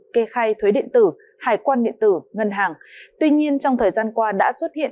kê khai thuế điện tử hải quan điện tử ngân hàng tuy nhiên trong thời gian qua đã xuất hiện